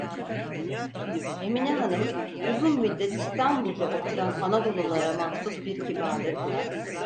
Emine hanım, uzun müddet İstanbul’da oturan Anadolululara mahsus bir kibarlıkla: